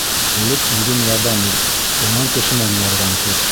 Элек үҙең ярҙам ит, унан кешенән ярҙам көт.